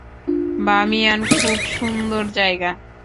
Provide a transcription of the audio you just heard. বামিয়ান খুব সুন্দর জায়গা।